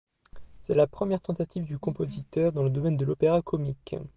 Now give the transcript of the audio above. C'est la première tentative du compositeur dans le domaine de l'opéra comique.